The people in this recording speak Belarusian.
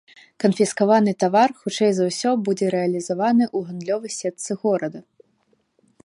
Канфіскаваны тавар хутчэй за ўсё будзе рэалізаваны ў гандлёвай сетцы горада.